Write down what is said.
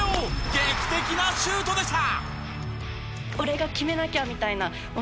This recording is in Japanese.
劇的なシュートでした！